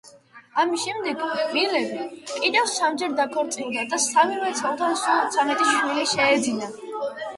ამის შემდეგ ვილემი კიდევ სამჯერ დაქორწინდა და სამივე ცოლთან სულ ცამეტი შვილი შეეძინა.